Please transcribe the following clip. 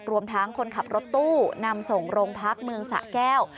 รวมทั้งคนขับรถตู้นำส่งโรงพักเมืองสะแก้ว